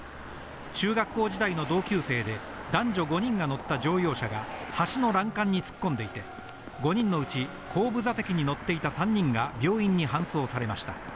中学校時代の同級生で男女５人が乗った乗用車が、橋の欄干に突っ込んでいて、５人のうち後部座席に乗っていた３人が病院に搬送されました。